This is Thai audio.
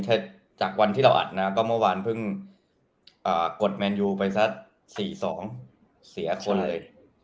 ถ้าจากวันที่เราอัดนะก็เมื่อวานเพิ่งกดแมนยูไปสัก๔๒เสียคนเลย